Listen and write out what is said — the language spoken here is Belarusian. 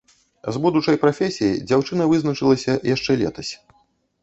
З будучай прафесіяй дзяўчына вызначылася яшчэ летась.